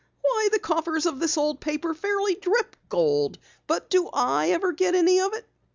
"Why, the coffers of this old paper fairly drip gold, but do I ever get any of it?"